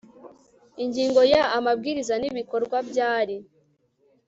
ingingo ya amabwiriza n ibikorwa byari